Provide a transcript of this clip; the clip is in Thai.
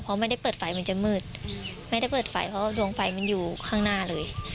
เพราะไม่ได้เปิดไฟมันจะมืดไม่ได้เปิดไฟเพราะดวงไฟมันอยู่ข้างหน้าเลย